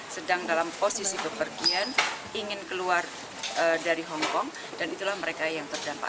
sedang dalam posisi bepergian ingin keluar dari hongkong dan itulah mereka yang terdampak